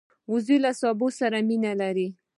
وزې له سبو سره مینه لري